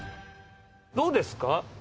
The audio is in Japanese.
どうですか。